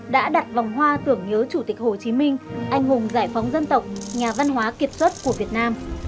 đã đặt vòng hoa tưởng nhớ chủ tịch hồ chí minh anh hùng giải phóng dân tộc nhà văn hóa kiệt xuất của việt nam